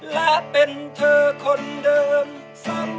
และเป็นเธอคนเดิมซ้ำ